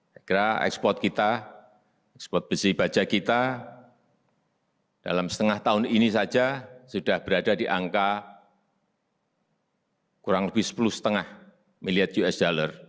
saya kira ekspor kita ekspor besi baja kita dalam setengah tahun ini saja sudah berada di angka kurang lebih sepuluh lima miliar usd